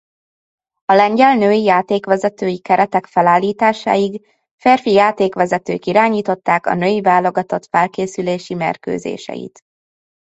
A lengyel női játékvezetői keretek felállításáig férfi játékvezetők irányították a női válogatott felkészülési mérkőzéseit.